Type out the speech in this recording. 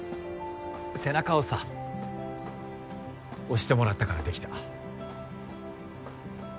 背中をさ押してもらったからできた。